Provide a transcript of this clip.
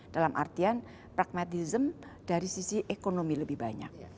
dalam artian pragmatism dari sisi ekonomi lebih banyak